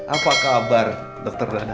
apa kabar dokter radha